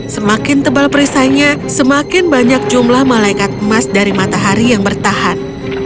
semakin tebal perisainya semakin banyak jumlah malaikat emas dari matahari yang bertahan